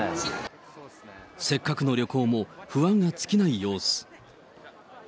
せっかくの旅行も不安が尽きない様子。